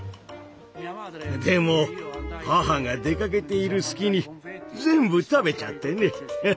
でも母が出かけている隙に全部食べちゃってね。